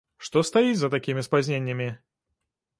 Што стаіць за такімі спазненнямі?